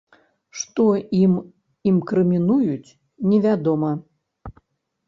Што ім інкрымінуюць, невядома.